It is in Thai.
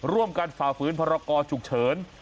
ร่วมกันฝ่าฝืนพรกรฉุกเฉิน